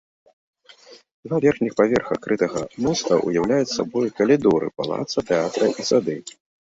Два верхніх паверха крытага моста ўяўляюць сабой калідоры палаца тэатра і сады.